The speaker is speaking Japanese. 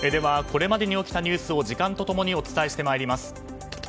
これまでに起きたニュースを時間と共にお伝えしてまいります。